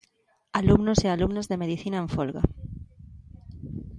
Alumnos e alumnas de Medicina en folga.